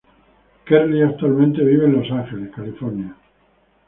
Kerli actualmente vive en Los Ángeles, California.